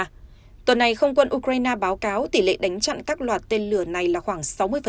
tuần này không quân ukraine báo cáo tỷ lệ đánh chặn các loạt tên lửa này là khoảng sáu mươi